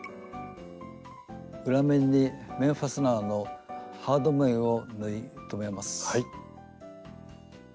裏面に面ファスナーのハード面を縫い留めます。